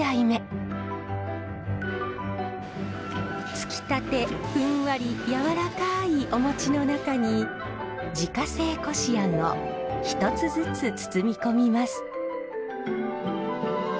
つきたてふんわりやわらかいおもちの中に自家製こしあんを１つずつ包み込みます。